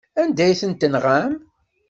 Anda ay tent-tenɣam?